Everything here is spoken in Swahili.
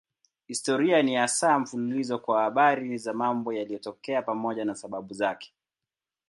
Historia ni hasa mfululizo wa habari za mambo yaliyotokea pamoja na sababu zake.